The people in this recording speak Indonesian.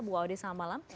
bu waode selamat malam